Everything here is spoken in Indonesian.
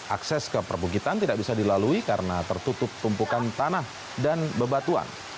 akses ke perbukitan tidak bisa dilalui karena tertutup tumpukan tanah dan bebatuan